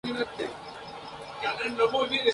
Arthur es el sirviente de Nona Yuki.